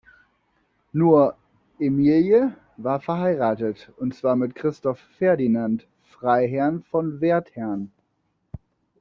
Nur, Emilie war verheiratet und zwar mit Christoph Ferdinand Freiherrn von Werthern.